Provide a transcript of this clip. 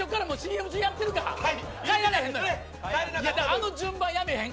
あの順番やめへん。